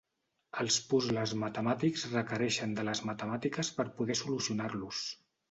Els puzles matemàtics requereixen de les matemàtiques per poder solucionar-los.